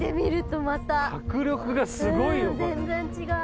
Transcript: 全然違う。